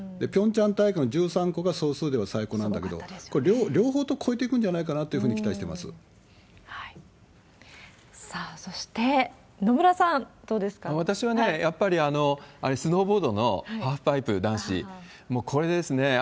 ピョンチャン大会の１３個が総数では最高なんだけど、これ、両方とも超えていくんじゃないかなっていうふうに期待さあ、そして野村さん、どう私はね、やっぱり、スノーボードのハーフパイプ男子、もうこれですね。